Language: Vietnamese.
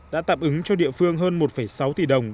đã tạm ứng cho địa phương hơn một sáu tỷ đồng